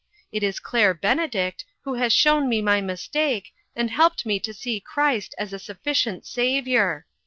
It is Claire Benedict who has shown me my mistake, and helped me to see Christ as a sufficient Saviour.